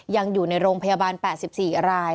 ยังอยู่ในโรงพยาบาล๘๔ราย